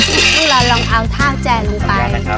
ต้องเราลองเอาทาแจลงไป